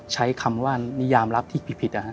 ใช้นิยามลับที่ผิดนะฮะ